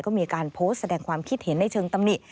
ก็มีการโพสต์แสดงความคิดเห็นในเชิงตำหนิ